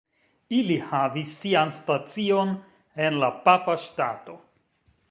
Ili havis sian stacion en la Papa Ŝtato.